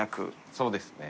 そうですね。